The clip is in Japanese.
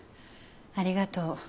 ありがとう。